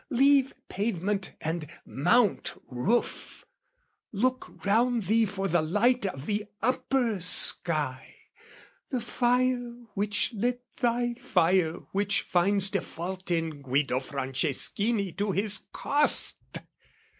Leave pavement and mount roof, "Look round thee for the light of the upper sky, "The fire which lit thy fire which finds default "In Guido Franceschini to his cost!